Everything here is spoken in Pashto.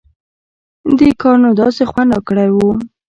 دې کار نو داسې خوند راکړى و.